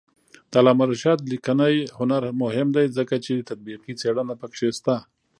د علامه رشاد لیکنی هنر مهم دی ځکه چې تطبیقي څېړنه پکې شته.